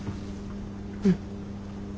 うん。